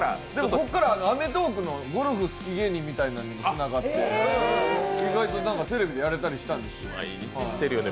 こっから「アメトーーク」のゴルフ好き芸人で呼ばれたりして意外とテレビでやれたりしたんですよ。